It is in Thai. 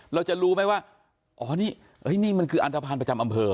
เราจะรู้ไหมว่าอ๋อนี่นี่มันคืออันทภัณฑ์ประจำอำเภอ